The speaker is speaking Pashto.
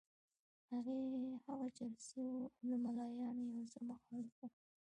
هغه چرسي وو او د ملایانو یو څه مخالف وو.